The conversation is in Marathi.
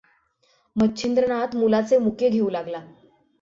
मच्छिंद्रनाथ मुलाचे मुके घेऊं लागला.